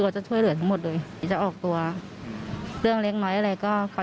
ก็คนนี้ก็คือ๒คนนะคะ